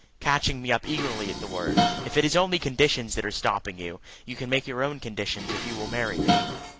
catching me up eagerly at the word. "If it is only conditions that are stopping you, you can make your own conditions if you will marry me."